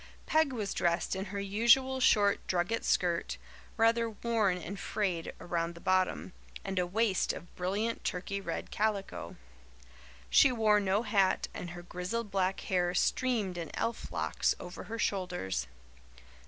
Peg was dressed in her usual short drugget skirt, rather worn and frayed around the bottom, and a waist of brilliant turkey red calico. She wore no hat, and her grizzled black hair streamed in elf locks over her shoulders.